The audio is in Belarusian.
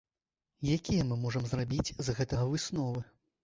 Якія мы можам зрабіць з гэтага высновы?